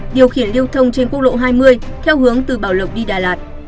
điều khiển lưu thông trên quốc lộ hai mươi theo hướng từ bảo lộc đi đà lạt